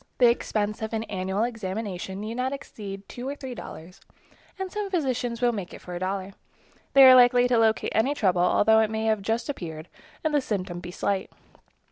The expense of an annual examination need not exceed two or three dollars, and some physicians will make it for a dollar. They are likely to locate any trouble, although it may have just appeared and the symptom be slight.